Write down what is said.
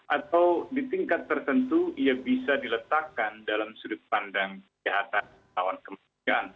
atau di tingkat tertentu ia bisa diletakkan dalam sudut pandang kesehatan lawan kemudian